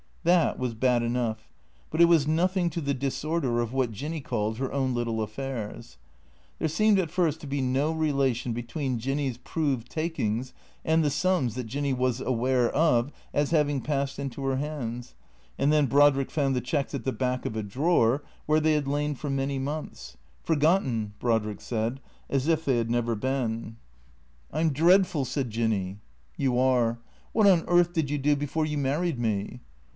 That was bad enough. But it was nothing to the disorder of what Jinny called her own little affairs. There seemed at first to be no relation between Jinny's proved takings and the sums that Jinny was aware of as having passed into her hands. And then Brodrick found the cheques at the back of a drawer, where they had lain for many months ; forgotten, Brodrick said, as if they had never been. 330 THE CKE A TOE'S " I 'm dreadful," said Jinny. "You are. What on earth did you do before you married me